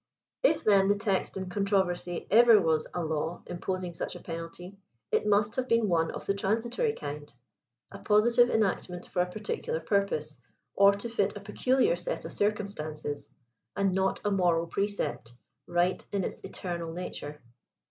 If then the text in controversy ever was a law imposing such a penalty, it must have been one of the transitory kind ; a posi tive enactment for a particular purpose, or to fit a peculiar set of circumstances, and not a moral precept, right in its eternal nature.